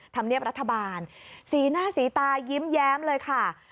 ธรรมเนียบรัฐบาลสีหน้าสีตายิ้มแย้มเลยค่ะ